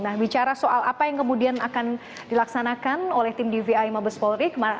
nah bicara soal apa yang kemudian akan dilaksanakan oleh tim dvi mabes polri